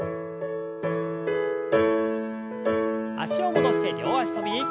脚を戻して両脚跳び。